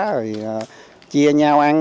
rồi chia nhau ăn